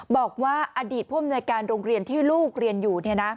บอกว่าอดีตผู้อำนวยการโรงเรียนที่ลูกเรียนอยู่